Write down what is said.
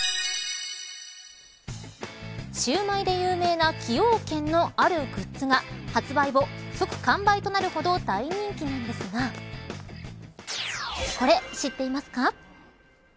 シウマイで有名な崎陽軒のあるグッズが発売後、即完売となるほど大人気なんですがこれ、知っていますか。